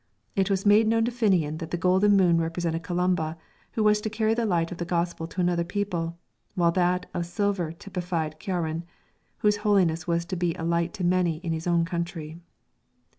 It was made known to Finnian that the golden moon represented Columba, who was to carry the light of the Gospel to another people, while that of silver typified Ciaran, whose holiness was to be a light to many in his own country.